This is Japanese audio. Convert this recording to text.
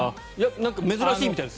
珍しいみたいです